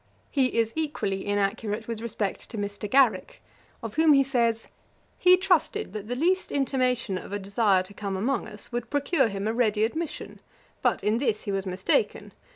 He is equally inaccurate with respect to Mr. Garrick, of whom he says, 'he trusted that the least intimation of a desire to come among us, would procure him a ready admission; but in this he was mistaken.